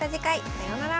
さようなら。